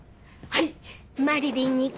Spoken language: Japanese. はい！